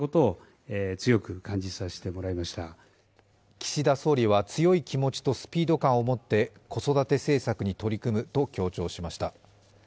岸田総理は、強い気持ちとスピード感を持って子育て政策に取り組むと強調しました。